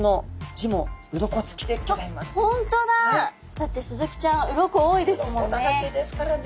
だってスズキちゃん鱗多いですもんね。